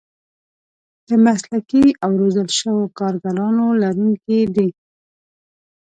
د مسلکي او روزل شوو کارګرانو لرونکي دي.